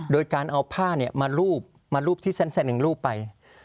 โดยการเอาผ้าเนี่ยมารูบมารูบที่แสนรูบไป